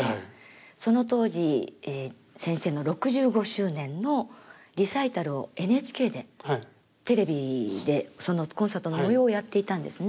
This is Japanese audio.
その当時先生の６５周年のリサイタルをＮＨＫでテレビでそのコンサートの模様をやっていたんですね。